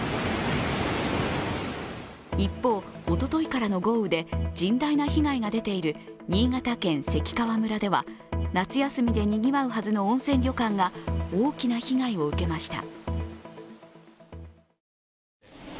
一方、おとといからの豪雨で甚大な被害が出ている新潟県関川村では、夏休みでにぎわうはずの温泉旅館が大きな被害を受けました。